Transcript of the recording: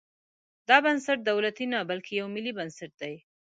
دا بنسټ دولتي نه بلکې یو ملي بنسټ وي.